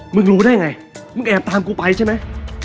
มึงรู้ได้ไงมึงแอบตามกูไปใช่มั้ย